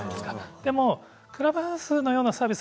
でもクラブハウスのようなサービス